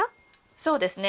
そうですね。